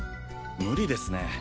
無理ですね。